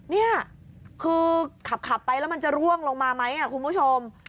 นี่คือขับไปแล้วมันจะร่วงลงมาไหมคุณผู้ชม